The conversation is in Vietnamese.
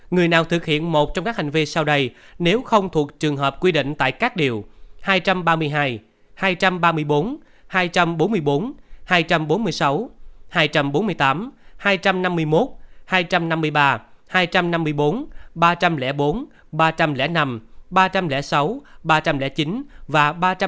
người nào thực hiện một trong các hành vi sau đây nếu không thuộc trường hợp quy định tại các điệu hai trăm ba mươi hai hai trăm ba mươi bốn hai trăm bốn mươi bốn hai trăm bốn mươi sáu hai trăm bốn mươi tám hai trăm năm mươi một hai trăm năm mươi ba hai trăm năm mươi bốn ba trăm linh bốn ba trăm linh năm ba trăm linh sáu ba trăm linh chín và ba trăm một mươi một